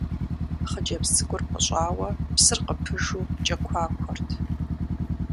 Хъыджэбз цӀыкӀур пӀыщӀауэ, псыр къыпыжу кӀэкуакуэрт.